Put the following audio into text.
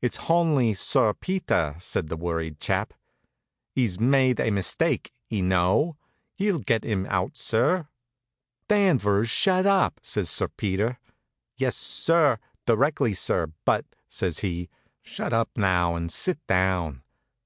"It's honly Sir Peter," says the worried chap. "'E's myde a mistyke, y' know. Hi'll get 'im out, sir." "Danvers, shut up!" says Sir Peter. "Yes, sir; directly, sir; but " says he. "Shut up now and sit down!"